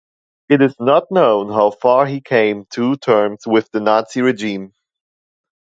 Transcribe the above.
It is not known how far he came to terms with the Nazi regime.